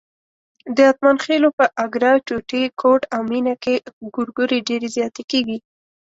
د اتمانخېلو په اګره، ټوټی، کوټ او مېنه کې ګورګورې ډېرې زیاتې کېږي.